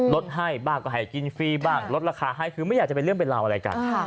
ลดให้บ้างก็ให้กินฟรีบ้างลดราคาให้คือไม่อยากจะเป็นเรื่องเป็นราวอะไรกัน